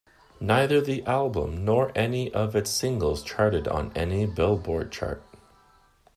Neither the album nor any of its singles charted on any Billboard chart.